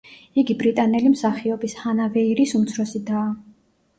იგი ბრიტანელი მსახიობის, ჰანა ვეირის უმცროსი დაა.